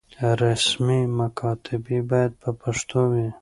رسمي مکاتبې بايد په پښتو وي.